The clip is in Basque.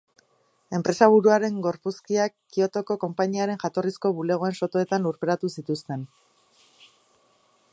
Enpresaburuaren gorpuzkiak Kiotoko konpainiaren jatorrizko bulegoen sotoetan lurperatu zituzten.